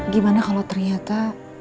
gimana kalau ternyata